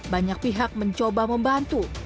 banyak pihak mencoba membantu